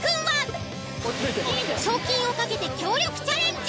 賞金を懸けて協力チャレンジ。